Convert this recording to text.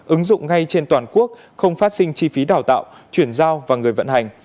ứng dụng ngay trên toàn quốc không phát sinh chi phí đào tạo chuyển giao và người vận hành